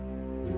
aku khawatir belu